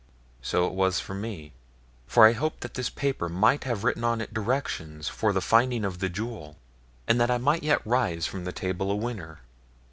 So it was with me; for I hoped that this paper might have written on it directions for the finding of the jewel, and that I might yet rise from the table a winner.